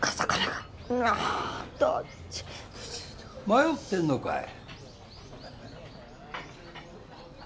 迷ってんのかい？